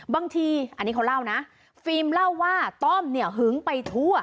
บางทีอันนี้เขาเล่านะฟิล์มเล่าว่าต้อมเนี่ยหึงไปทั่ว